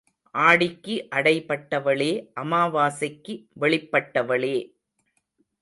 ஆடிக்கு அடைபட்டவளே, அமாவாசைக்கு வெளிப்பட்டவளே!